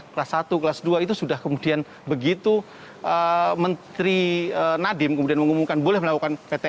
kelas satu kelas dua itu sudah kemudian begitu menteri nadiem kemudian mengumumkan boleh melakukan pt